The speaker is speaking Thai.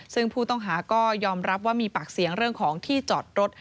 ซึ่งผู้ต้องหาก็ยอมรับว่ามีปากเสียงเรื่องของที่จอดรถ